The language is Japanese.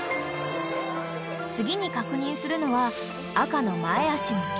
［次に確認するのは赤の前脚の筋力］